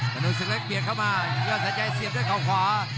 ถนนศึกเล็กเบียดเข้ามายอดสัญชัยเสียบด้วยเขาขวา